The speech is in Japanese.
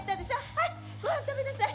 はいごはん食べなさい。